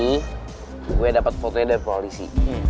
gue dapat fotonya dari polisi